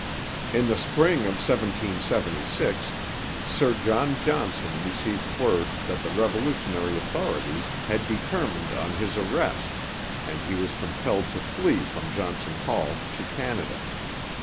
In the spring of 1776 Sir John Johnson received word that the revolutionary authorities had determined on his arrest, and he was compelled to flee from Johnson Hall to Canada.